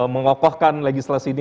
mengokohkan legislasi ini